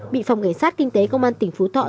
bị phòng cảnh sát kinh tế công an tỉnh phú thọ